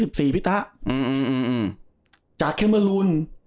พิษพละอืมจากเคเมอรูน